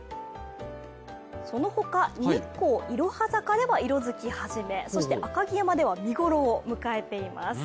その他、日光いろは坂では色づき始め、赤城山では見頃を迎えています。